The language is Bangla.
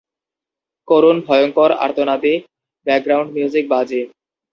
করুণ, ভয়ংকর, আর্তনাদী ব্যাকগ্রাউন্ড মিউজিক বাজে।